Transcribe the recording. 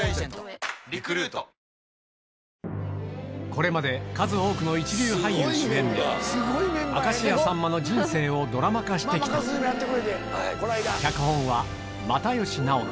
これまで数多くの一流俳優主演で明石家さんまの人生をドラマ化して来たホンマやって！